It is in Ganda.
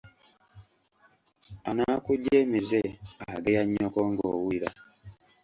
Anaakuggya emizze, ageya nnyoko ng’owulira.